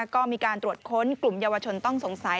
ก็มีการตรวจค้นกลุ่มเยาวชนต้องสงสัย